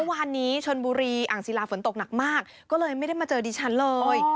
วันนี้ชนบุรีอ่างศิลาฝนตกหนักมากก็เลยไม่ได้มาเจอดิฉันเลย